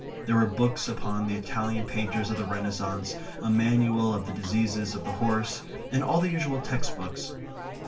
There were books upon the Italian painters of the Renaissance, a Manual of the Diseases of the Horse, and all the usual text books.